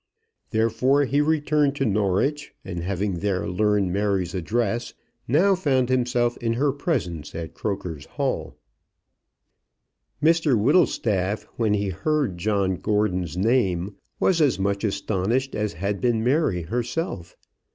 Therefore he returned to Norwich, and having there learned Mary's address, now found himself in her presence at Croker's Hall. Mr Whittlestaff, when he heard John Gordon's name, was as much astonished as had been Mary herself.